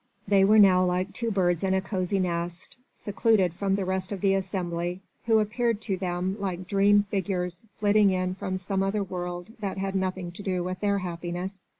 They were now like two birds in a cosy nest secluded from the rest of the assembly, who appeared to them like dream figures flitting in some other world that had nothing to do with their happiness.